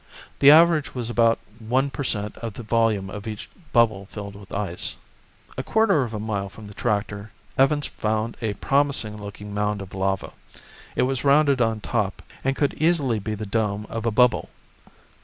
The average was about one per cent of the volume of each bubble filled with ice. A quarter of a mile from the tractor, Evans found a promising looking mound of lava. It was rounded on top, and it could easily be the dome of a bubble.